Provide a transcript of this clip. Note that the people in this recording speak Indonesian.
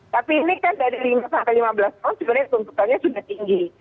tapi ini kan dari lima sampai lima belas tahun sebenarnya tuntutannya sudah tinggi